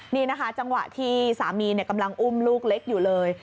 นี่นะคะจังหวะที่สามีกำลังอุ้มลูกเล็กอยู่เลย